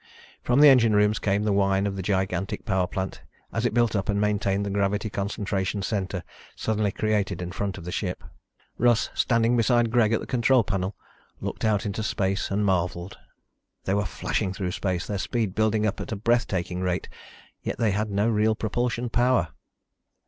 From the engine rooms came the whine of the gigantic power plant as it built up and maintained the gravity concentration center suddenly created in front of the ship. Russ, standing beside Greg at the control panel, looked out into space and marveled. They were flashing through space, their speed building up at a breath taking rate, yet they had no real propulsion power.